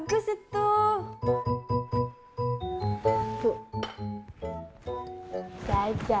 berur motherkutub pdf bosnya ya